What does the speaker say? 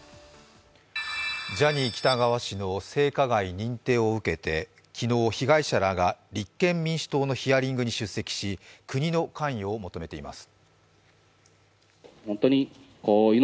ジャニー喜多川氏の性加害認定を受けて昨日、被害者らが立憲民主党のヒアリングに出席し、国の関与を求めています。